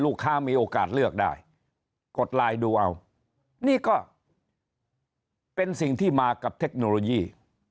ลูกค้ามีโอกาสเลือกได้กดไลน์ดูเอานี่ก็เป็นสิ่งที่มากับเทคโนโลยี